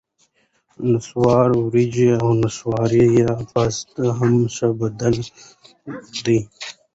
نسواري ورېجې او نسواري پاستا هم ښه بدیل دي.